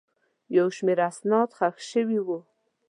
یو شمېر اسناد ښخ شوي وو.